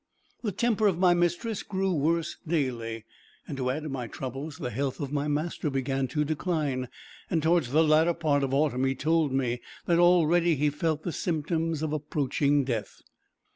The temper of my mistress grew worse daily, and to add to my troubles, the health of my master began to decline, and towards the latter part of autumn he told me that already he felt the symptoms of approaching death.